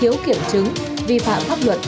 hiếu kiểm chứng vi phạm pháp luật